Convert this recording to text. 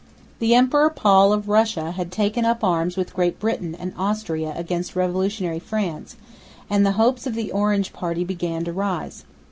The Emperor Paul of Russia had taken up arms with Great Britain and Austria against revolutionary France, and the hopes of the Orange party began to rise.